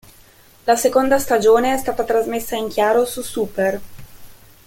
La seconda stagione è stata trasmessa in chiaro su Super!